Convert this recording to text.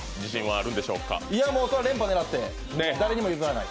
連覇を狙って誰にも譲らない。